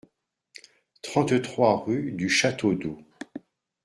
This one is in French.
trente-trois rue du Château d'Ô